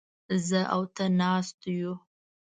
زه او ته ناست يوو.